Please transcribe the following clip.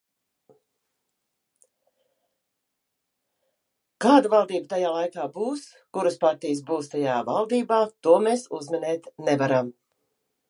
Kāda valdība tajā laikā būs, kuras partijas būs tajā valdībā, to mēs uzminēt nevaram.